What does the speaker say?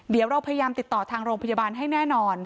เดี๋ยวเราพยายามติดต่อทางโรงพยาบาลให้แน่นอน